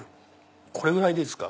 これぐらいでいいですか。